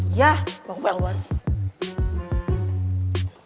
iya bangku yang buat sih